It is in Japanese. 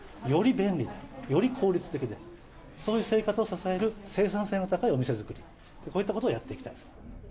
より便利で、より効率的な、そういう生活を支える、生産性の高いお店作り、こういったことをやっていきたいです。